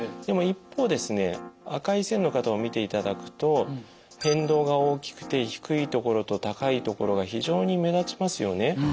でも一方ですね赤い線の方を見ていただくと変動が大きくて低い所と高い所が非常に目立ちますよね。